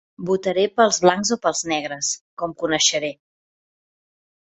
Votaré pels blancs o pels negres, com coneixeré.